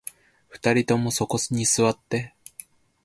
二人ともそこに座って